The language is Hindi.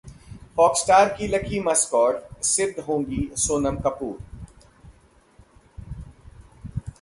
फॉक्स स्टार का लकी मस्कट सिद्ध होंगी सोनम कपूर